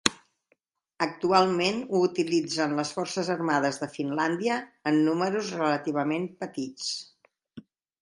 Actualment ho utilitzen les Forces Armades de Finlàndia en números relativament petits.